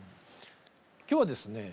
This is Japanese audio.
今日はですね